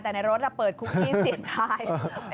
แต่ในรถเปิดคุกกี้เสียงทาย